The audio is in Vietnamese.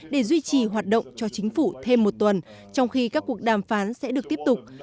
để duy trì hoạt động cho chính phủ thêm một tuần trong khi các cuộc đàm phán sẽ được tiếp tục